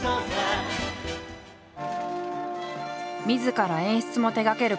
みずから演出も手がける